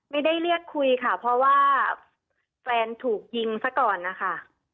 ไม่ได้เรียกคุยค่ะเพราะว่าแฟนถูกยิงซะก่อนนะคะ